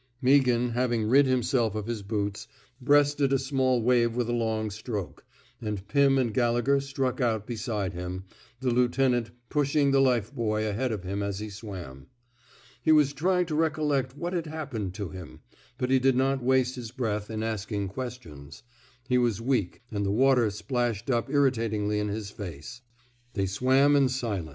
Meaghan, having rid himself of his boots, breasted a small wave with a strong stroke; and Pim and Gallegher struck out beside him, the lieutenant pushing the life buoy ahead of him as he swam. He was trying to recollect what had happened to him, but he did not waste his breath in asking questions. He was weak, and the water splashed up irritatingly in his face. They swam in silence.